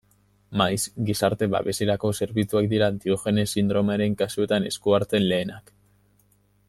Maiz gizarte-babeserako zerbitzuak dira Diogenes sindromearen kasuetan esku hartzen lehenak.